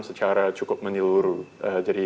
secara cukup menyeluruh jadi